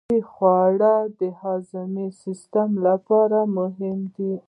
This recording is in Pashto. صحي خوراک د هاضمي سیستم لپاره مهم دی.